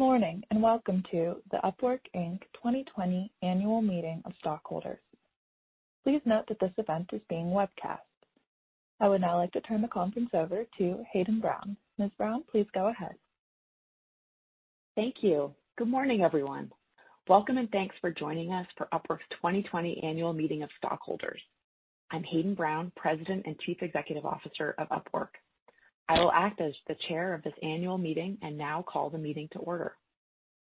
Good morning, welcome to the Upwork Inc. 2020 Annual Meeting of Stockholders. Please note that this event is being webcast. I would now like to turn the conference over to Hayden Brown. Ms. Brown, please go ahead. Thank you. Good morning, everyone. Welcome, thanks for joining us for Upwork's 2020 Annual Meeting of Stockholders. I'm Hayden Brown, President and Chief Executive Officer of Upwork. I will act as the chair of this annual meeting and now call the meeting to order.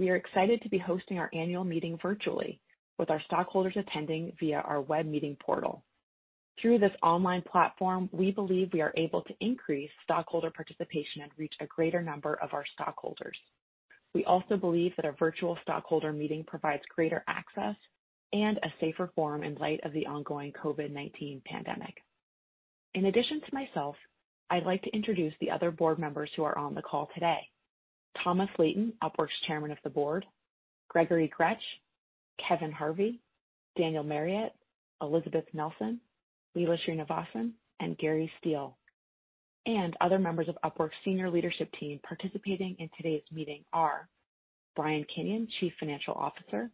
We are excited to be hosting our annual meeting virtually, with our stockholders attending via our web meeting portal. Through this online platform, we believe we are able to increase stockholder participation and reach a greater number of our stockholders. We also believe that a virtual stockholder meeting provides greater access and a safer forum in light of the ongoing COVID-19 pandemic. In addition to myself, I'd like to introduce the other board members who are on the call today. Thomas Layton, Upwork's Chairman of the Board, Gregory Gretsch, Kevin Harvey, Daniel Marriott, Elizabeth Nelson, Leela Srinivasan, and Gary Steele. Other members of Upwork's Senior Leadership Team participating in today's meeting are Brian Kinion, Chief Financial Officer,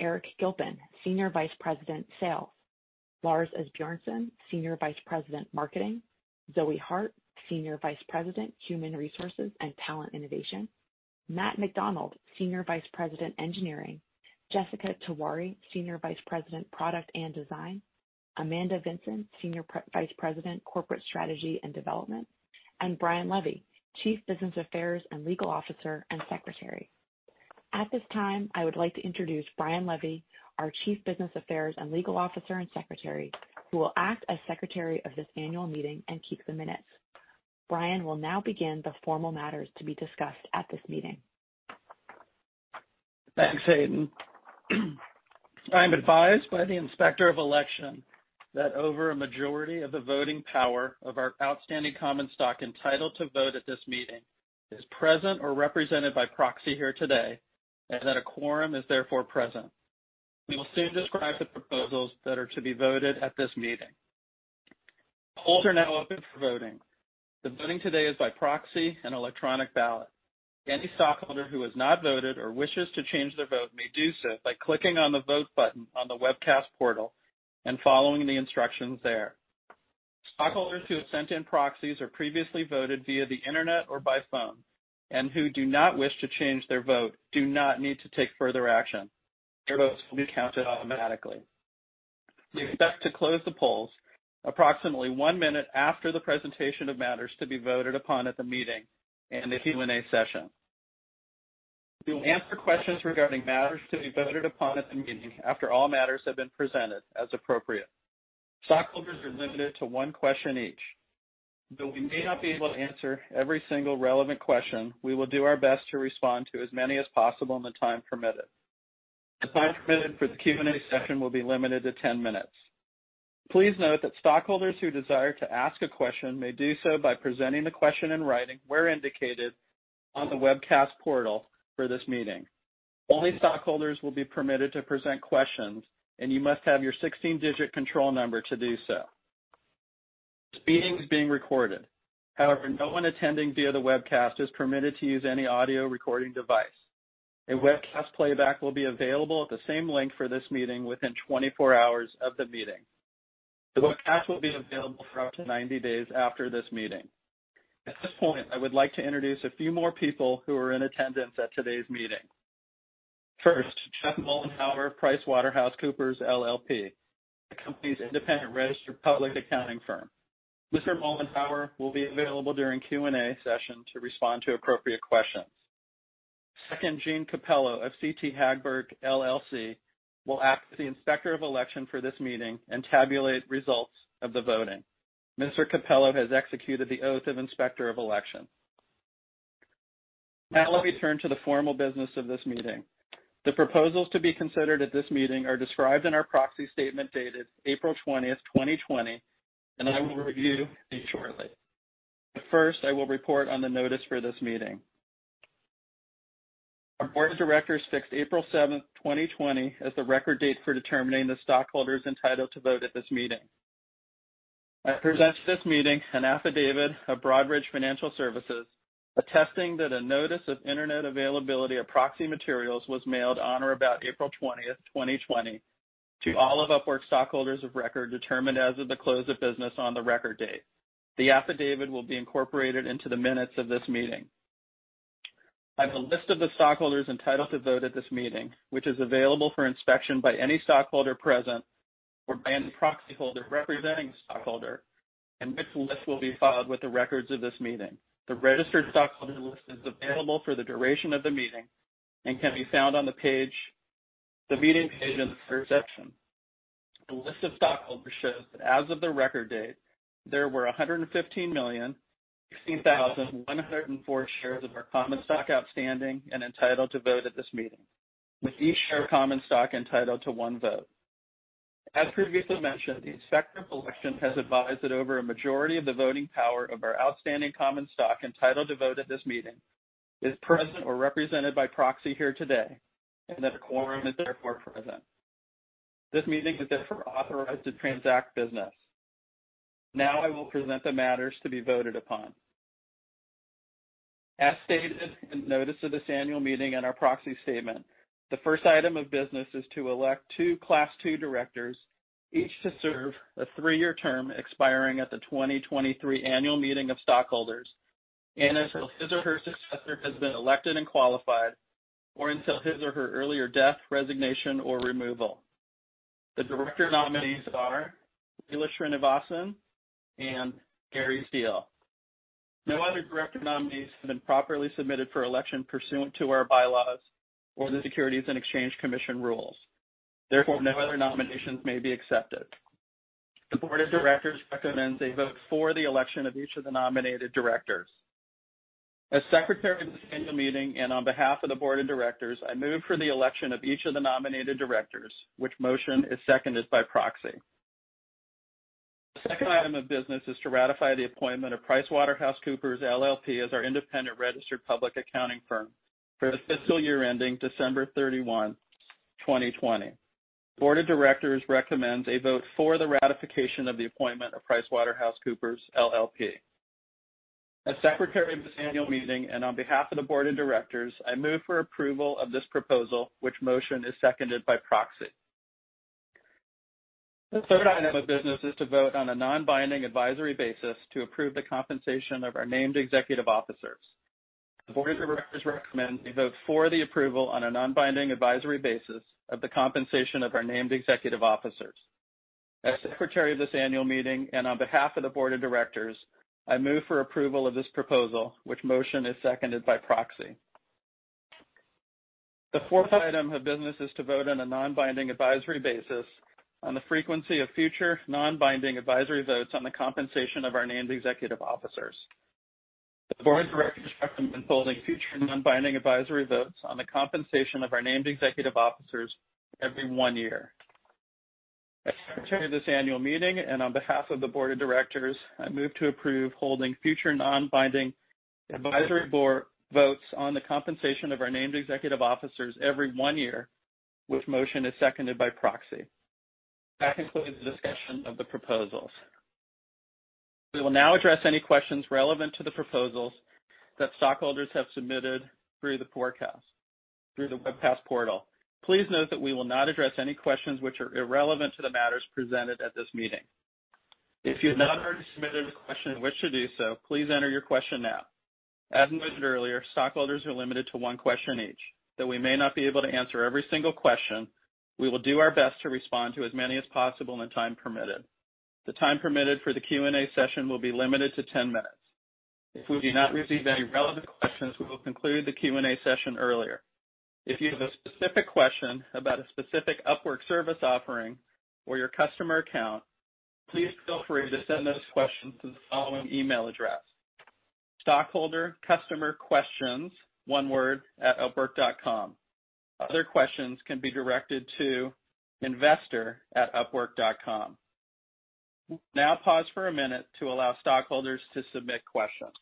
Eric Gilpin, Senior Vice President, Sales, Lars Asbjornsen, Senior Vice President, Marketing, Zoë Harte, Senior Vice President, Human Resources and Talent Innovation, Matt McDonald, Senior Vice President, Engineering, Jessica Tiwari, Senior Vice President, Product and Design, Amanda Vinson, Senior Vice President, Corporate Strategy and Development, Brian Levey, Chief Business Affairs and Legal Officer and Secretary. At this time, I would like to introduce Brian Levey, our Chief Business Affairs and Legal Officer and Secretary, who will act as secretary of this annual meeting and keep the minutes. Brian will now begin the formal matters to be discussed at this meeting. Thanks, Hayden. I am advised by the Inspector of Election that over a majority of the voting power of our outstanding common stock entitled to vote at this meeting is present or represented by proxy here today, that a quorum is therefore present. We will soon describe the proposals that are to be voted at this meeting. Polls are now open for voting. The voting today is by proxy and electronic ballot. Any stockholder who has not voted or wishes to change their vote may do so by clicking on the Vote button on the webcast portal and following the instructions there. Stockholders who have sent in proxies or previously voted via the internet or by phone, who do not wish to change their vote, do not need to take further action. Their votes will be counted automatically. We expect to close the polls approximately one minute after the presentation of matters to be voted upon at the meeting and the Q&A session. We will answer questions regarding matters to be voted upon at the meeting after all matters have been presented, as appropriate. Stockholders are limited to one question each. Though we may not be able to answer every single relevant question, we will do our best to respond to as many as possible in the time permitted. The time permitted for the Q&A session will be limited to 10 minutes. Please note that stockholders who desire to ask a question may do so by presenting the question in writing where indicated on the webcast portal for this meeting. Only stockholders will be permitted to present questions, and you must have your 16-digit control number to do so. This meeting is being recorded. No one attending via the webcast is permitted to use any audio recording device. A webcast playback will be available at the same link for this meeting within 24 hours of the meeting. The webcast will be available for up to 90 days after this meeting. At this point, I would like to introduce a few more people who are in attendance at today's meeting. First, Jeff Muehlbauer of PricewaterhouseCoopers, LLP, the company's independent registered public accounting firm. Mr. Muehlbauer will be available during Q&A session to respond to appropriate questions. Second, Gene Capello of CT Hagberg, LLC will act as the Inspector of Election for this meeting and tabulate results of the voting. Mr. Capello has executed the oath of Inspector of Election. Let me turn to the formal business of this meeting. The proposals to be considered at this meeting are described in our proxy statement dated April 20th, 2020. I will review these shortly. First, I will report on the notice for this meeting. Our board of directors fixed April 7th, 2020 as the record date for determining the stockholders entitled to vote at this meeting. I present to this meeting an affidavit of Broadridge Financial Solutions attesting that a notice of internet availability of proxy materials was mailed on or about April 20th, 2020 to all of Upwork stockholders of record determined as of the close of business on the record date. The affidavit will be incorporated into the minutes of this meeting. I have a list of the stockholders entitled to vote at this meeting, which is available for inspection by any stockholder present or by any proxyholder representing a stockholder. This list will be filed with the records of this meeting. The registered stockholder list is available for the duration of the meeting and can be found on the meeting page in the first section. The list of stockholders shows that as of the record date, there were 115,016,104 shares of our common stock outstanding and entitled to vote at this meeting, with each share of common stock entitled to one vote. As previously mentioned, the Inspector of Election has advised that over a majority of the voting power of our outstanding common stock entitled to vote at this meeting is present or represented by proxy here today, that a quorum is therefore present. This meeting is therefore authorized to transact business. I will present the matters to be voted upon. As stated in notice of this annual meeting and our proxy statement, the first item of business is to elect two class 2 directors, each to serve a three-year term expiring at the 2023 annual meeting of stockholders and until his or her successor has been elected and qualified, or until his or her earlier death, resignation, or removal. The director nominees are Leela Srinivasan and Gary Steele. No other director nominees have been properly submitted for election pursuant to our bylaws or the Securities and Exchange Commission rules. No other nominations may be accepted. The board of directors recommends a vote for the election of each of the nominated directors. As secretary of this annual meeting and on behalf of the board of directors, I move for the election of each of the nominated directors, which motion is seconded by proxy. The second item of business is to ratify the appointment of PricewaterhouseCoopers, LLP as our independent registered public accounting firm for the fiscal year ending December 31, 2020. The board of directors recommends a vote for the ratification of the appointment of PricewaterhouseCoopers, LLP. As secretary of this annual meeting and on behalf of the board of directors, I move for approval of this proposal, which motion is seconded by proxy. The third item of business is to vote on a non-binding advisory basis to approve the compensation of our named executive officers. The board of directors recommends we vote for the approval on a non-binding advisory basis of the compensation of our named executive officers. As secretary of this annual meeting and on behalf of the board of directors, I move for approval of this proposal, which motion is seconded by proxy. The fourth item of business is to vote on a non-binding advisory basis on the frequency of future non-binding advisory votes on the compensation of our named executive officers. The board of directors recommends holding future non-binding advisory votes on the compensation of our named executive officers every 1 year. As secretary of this annual meeting and on behalf of the board of directors, I move to approve holding future non-binding advisory board votes on the compensation of our named executive officers every 1 year, which motion is seconded by proxy. That concludes the discussion of the proposals. We will now address any questions relevant to the proposals that stockholders have submitted through the webcast portal. Please note that we will not address any questions which are irrelevant to the matters presented at this meeting. If you have not already submitted a question and wish to do so, please enter your question now. As mentioned earlier, stockholders are limited to 1 question each. Though we may not be able to answer every single question, we will do our best to respond to as many as possible in the time permitted. The time permitted for the Q&A session will be limited to 10 minutes. If we do not receive any relevant questions, we will conclude the Q&A session earlier. If you have a specific question about a specific Upwork service offering or your customer account, please feel free to send those questions to the following email address, stockholdercustomerquestions, one word, @upwork.com. Other questions can be directed to investor@upwork.com. We'll now pause for a minute to allow stockholders to submit questions.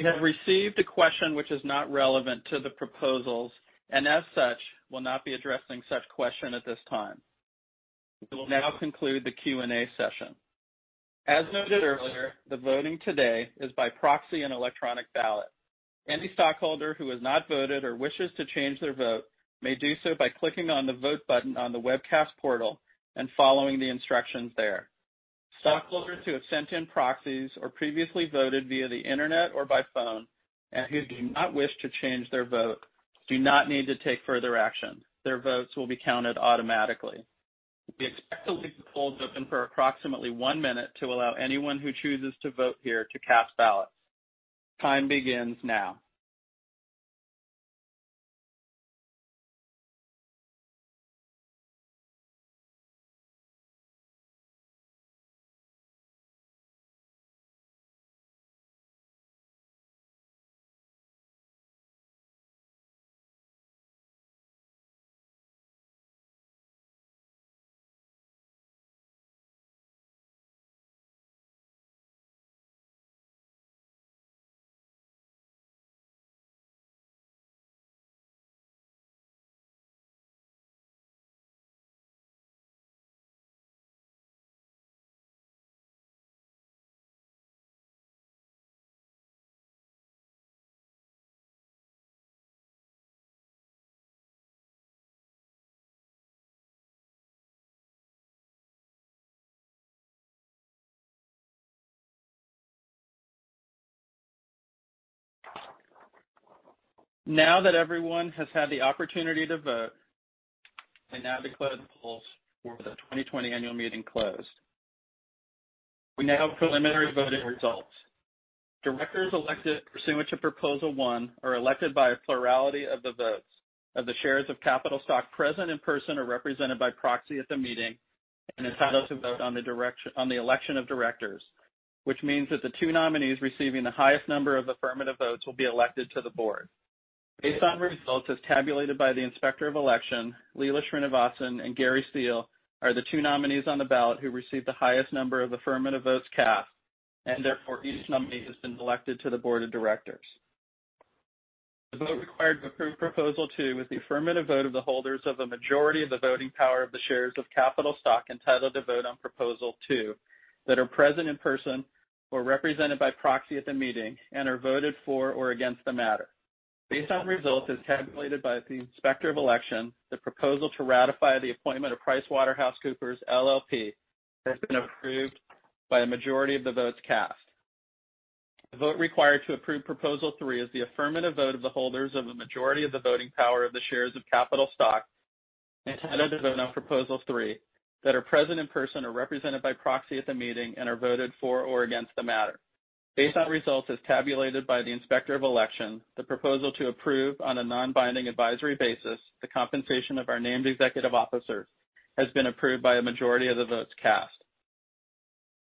We have received a question which is not relevant to the proposals, and as such, will not be addressing such question at this time. We will now conclude the Q&A session. As noted earlier, the voting today is by proxy and electronic ballot. Any stockholder who has not voted or wishes to change their vote may do so by clicking on the Vote button on the webcast portal and following the instructions there. Stockholders who have sent in proxies or previously voted via the internet or by phone and who do not wish to change their vote do not need to take further action. Their votes will be counted automatically. We expect to leave the polls open for approximately one minute to allow anyone who chooses to vote here to cast ballots. Time begins now. Now that everyone has had the opportunity to vote, I now declare the polls for the 2020 annual meeting closed. We now have preliminary voting results. Directors elected pursuant to Proposal One are elected by a plurality of the votes of the shares of capital stock present in person or represented by proxy at the meeting and entitled to vote on the election of directors, which means that the two nominees receiving the highest number of affirmative votes will be elected to the board. Based on results as tabulated by the Inspector of Election, Leela Srinivasan and Gary Steele are the two nominees on the ballot who received the highest number of affirmative votes cast, and therefore, each nominee has been elected to the board of directors. The vote required to approve Proposal Two is the affirmative vote of the holders of a majority of the voting power of the shares of capital stock entitled to vote on Proposal Two that are present in person or represented by proxy at the meeting and are voted for or against the matter. Based on results as tabulated by the Inspector of Election, the proposal to ratify the appointment of PricewaterhouseCoopers, LLP, has been approved by a majority of the votes cast. The vote required to approve Proposal Three is the affirmative vote of the holders of a majority of the voting power of the shares of capital stock entitled to vote on Proposal Three that are present in person or represented by proxy at the meeting and are voted for or against the matter. Based on results as tabulated by the Inspector of Election, the proposal to approve on a non-binding advisory basis the compensation of our named executive officers has been approved by a majority of the votes cast.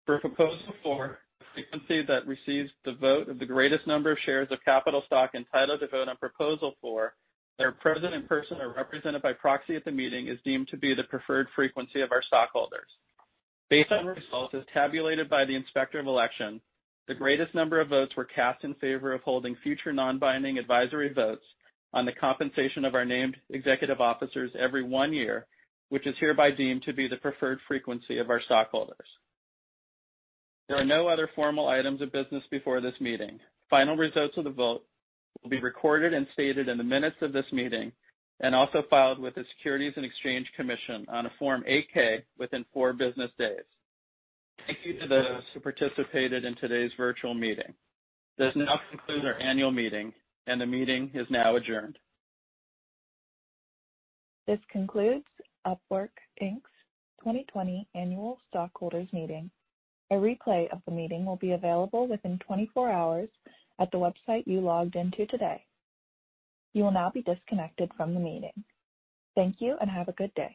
For Proposal Four, the frequency that receives the vote of the greatest number of shares of capital stock entitled to vote on Proposal Four that are present in person or represented by proxy at the meeting is deemed to be the preferred frequency of our stockholders. Based on results as tabulated by the Inspector of Election, the greatest number of votes were cast in favor of holding future non-binding advisory votes on the compensation of our named executive officers every one year, which is hereby deemed to be the preferred frequency of our stockholders. There are no other formal items of business before this meeting. Final results of the vote will be recorded and stated in the minutes of this meeting and also filed with the Securities and Exchange Commission on a Form 8-K within four business days. Thank you to those who participated in today's virtual meeting. This now concludes our annual meeting, and the meeting is now adjourned. This concludes Upwork Inc.'s 2020 Annual Stockholders' Meeting. A replay of the meeting will be available within 24 hours at the website you logged into today. You will now be disconnected from the meeting. Thank you, and have a good day.